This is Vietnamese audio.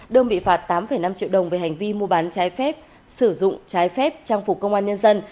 đương bị phạt tám năm triệu đồng về hành vi mua bán trái phép sử dụng trái phép trang phục công an nhân dân